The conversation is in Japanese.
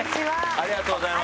ありがとうございます。